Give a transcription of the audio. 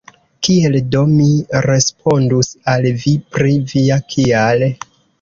Kiel do mi respondus al vi pri via «kial»?